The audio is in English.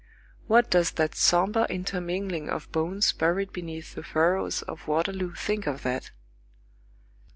What does that sombre intermingling of bones buried beneath the furrows of Waterloo think of that?